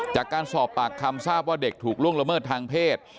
จากการสอบปากคำทราบว่าเด็กถูกล่วงละเมิดทางเพศ